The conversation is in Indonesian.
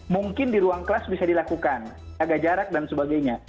mungkin di ruang kelas bisa dilakukan jaga jarak dan sebagainya